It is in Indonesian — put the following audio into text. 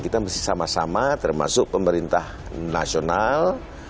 kita mesti sama sama termasuk pemerintah nasional